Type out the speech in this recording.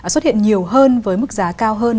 xuất hiện nhiều hơn với mức giá cao hơn